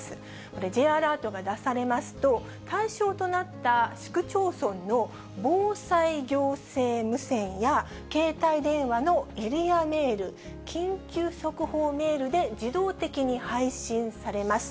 これ、Ｊアラートが出されますと、対象となった市区町村の防災行政無線や、携帯電話のエリアメール、緊急速報メールで自動的に配信されます。